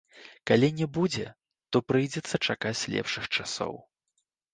Калі не будзе, то прыйдзецца чакаць лепшых часоў.